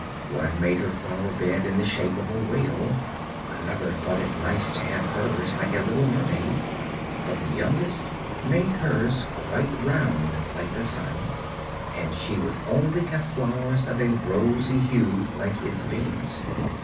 One made her flower bed in the shape of a whale; another thought it nice to have hers like a little mermaid; but the youngest made hers quite round like the sun, and she would only have flowers of a rosy hue like its beams.